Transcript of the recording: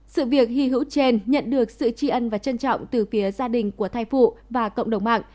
sự việc hy hữu trên nhận được sự tri ân và trân trọng từ phía gia đình của thai phụ và cộng đồng mạng